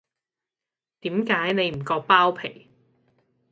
點解你唔割包皮